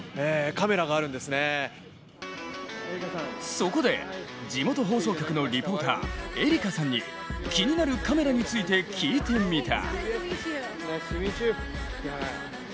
そこで地元放送局のリポーター、エリカさんに気になるカメラについて聞いてみた。